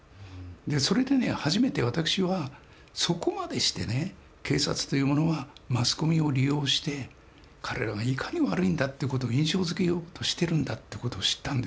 それでね初めて私はそこまでしてね警察というものはマスコミを利用して彼らがいかに悪いんだって事を印象づけようとしてるんだって事を知ったんですよ。